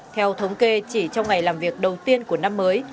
theo thống kê chỉ trong ngày làm việc đầu tiên của năm mới